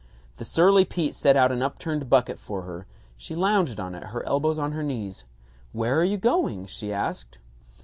The surly Pete set out an upturned bucket for her. She lounged on it, her elbows on her knees. "Where are you going?" she asked.